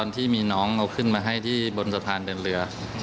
ที่มีน้องเอาขึ้นมาให้ที่บนสะพานเดินเรือ